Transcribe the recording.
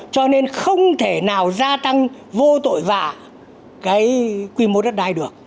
cho nên không thể nào gia tăng vô tội và cái quy mô đất đai được